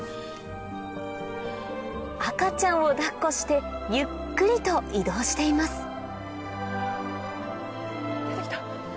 ・赤ちゃんを抱っこしてゆっくりと移動しています出てきた。